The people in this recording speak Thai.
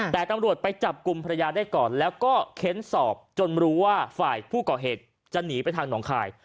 แต่ตำรวจไปจับกลุ่มภรรยาได้ก่อนแล้วก็เค้นสอบจนรู้ว่าฝ่ายผู้ก่อเหตุจะหนีไปทางหนองคาย